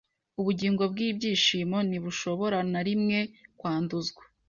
Ubugingo bwibyishimo ntibushobora na rimwe kwanduzwa